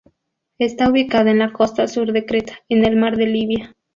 Está ubicada en la costa sur de Creta, en el Mar de Libia.